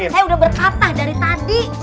saya udah berpatah dari tadi